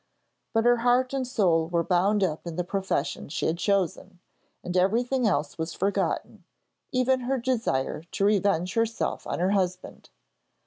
But her heart and soul were bound up in the profession she had chosen, and everything else was forgotten, even her desire to revenge herself on her husband.